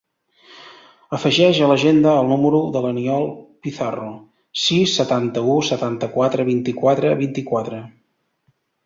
Afegeix a l'agenda el número de l'Aniol Pizarro: sis, setanta-u, setanta-quatre, vint-i-quatre, vint-i-quatre.